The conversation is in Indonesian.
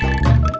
bisnis yang juri